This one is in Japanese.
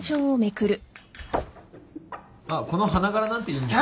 あっこの花柄なんていいんじゃ。